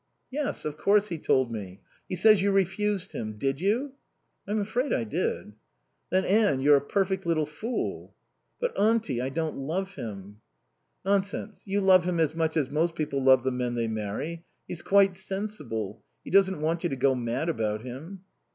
"Yes. Of course he told me. He says you refused him. Did you?" "I'm afraid I did." "Then Anne, you're a perfect little fool." "But Auntie, I don't love him." "Nonsense; you love him as much as most people love the men they marry. He's quite sensible. He doesn't want you to go mad about him."